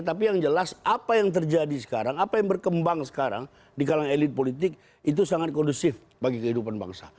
tapi yang jelas apa yang terjadi sekarang apa yang berkembang sekarang di kalangan elit politik itu sangat kondusif bagi kehidupan bangsa